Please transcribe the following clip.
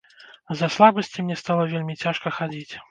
З-за слабасці мне стала вельмі цяжка хадзіць.